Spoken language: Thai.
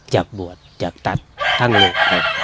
จากบวชจากตัศร์ทั้งเลย